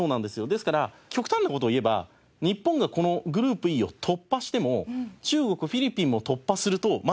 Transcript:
ですから極端な事を言えば日本がこのグループＥを突破しても中国フィリピンも突破するとまだ決まらない。